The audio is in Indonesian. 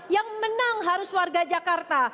yang menang harus warga jakarta